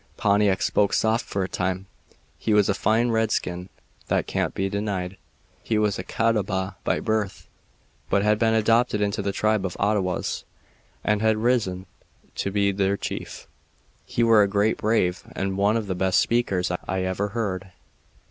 "Pontiac spoke soft for a time. He was a fine redskin; that can't be denied. He was a Catawba by birth, but had been adopted into the tribe of Ottawas and had risen to be their chief. He were a great brave and one of the best speakers I ever heard.